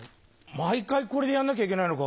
毎回これでやんなきゃいけないのか。